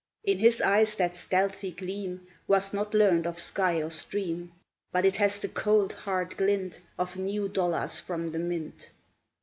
In his eyes that stealthy gleam Was not learned of sky or stream, But it has the cold, hard glint Of new dollars from the mint.